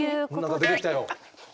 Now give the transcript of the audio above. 何か出てきたよ。